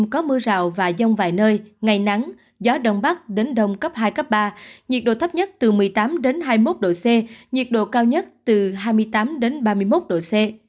chiều tối và đêm có mưa rào và dông vài nơi ngày nắng gió đông bắc đến đông cấp hai ba nhiệt độ thấp nhất từ một mươi tám hai mươi một độ c nhiệt độ cao nhất từ hai mươi tám ba mươi một độ c